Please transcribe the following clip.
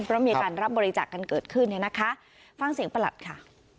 เพราะมีการรับบริจาคกันเกิดขึ้นเนี่ยนะคะฟังเสียงประหลัดค่ะ